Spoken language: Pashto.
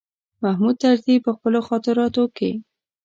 محمود طرزي په خپلو خاطراتو کې.